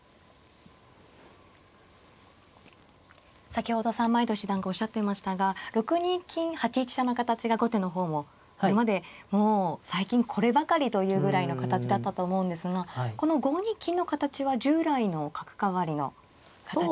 先ほど三枚堂七段がおっしゃってましたが６二金８一飛車の形が後手の方もこれまでもう最近こればかりというぐらいの形だったと思うんですがこの５二金の形は従来の角換わりの形ですよね。